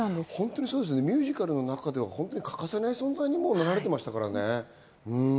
ミュージカルの中では欠かせない存在になってましたからね。